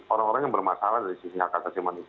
orang orang yang bermasalah dari sisi hak asasi manusia